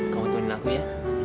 kamu temenin aku ya